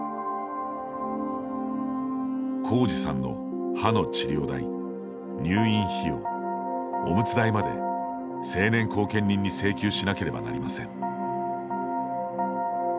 浩直さんの歯の治療代入院費用、オムツ代まで成年後見人に請求しなければなりません。